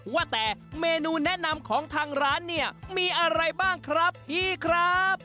ว่าแต่เมนูแนะนำของทางร้านเนี่ยมีอะไรบ้างครับพี่ครับ